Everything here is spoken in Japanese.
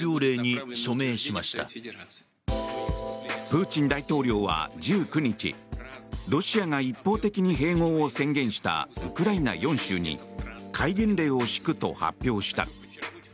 プーチン大統領は１９日ロシアが一方的に併合を宣言したウクライナ４州に戒厳令を敷くと発表した。